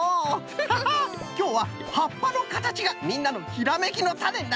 ハハッきょうははっぱのかたちがみんなのひらめきのタネになった。